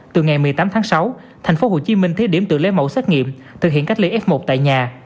từ ngày một mươi tám tháng sáu tp hcm thí điểm tự lấy mẫu xét nghiệm thực hiện cách ly f một tại nhà